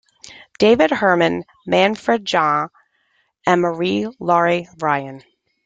David Herman, Manfred Jahn, and Marie Laure Ryan.